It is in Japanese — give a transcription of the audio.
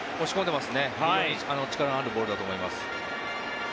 非常に力のあるボールだと思います。